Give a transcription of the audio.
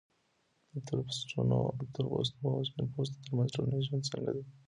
د تورپوستو او سپین پوستو ترمنځ ټولنیز ژوند څنګه دی؟